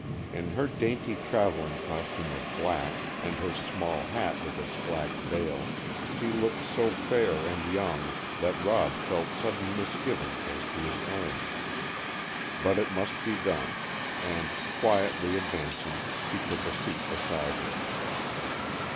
In her dainty travelling costume of black, and her small hat with its black veil, she looked so fair and young that Rob felt sudden misgivings as to his errand. But it must be done, and, quietly advancing, he took a seat beside her.